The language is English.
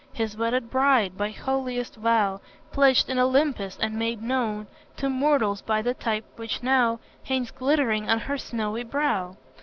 His wedded bride, by holiest vow Pledged in Olympus, and made known To mortals by the type which now Hangs glittering on her snowy brow.